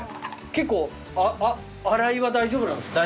結構洗いは大丈夫なんですか？